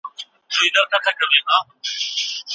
آيا تاسو د بدلون هيله لرئ؟